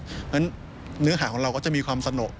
เพราะฉะนั้นเนื้อหาของเราก็จะมีความสนุก